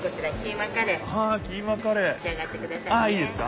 めしあがってくださいね。